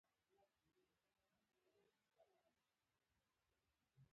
تر وسه به یې هڅه کوله چې ځان پټ وساتي.